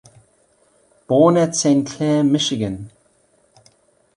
Born at Saint Clair, Michigan.